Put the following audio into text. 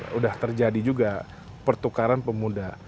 sudah terjadi juga pertukaran pemuda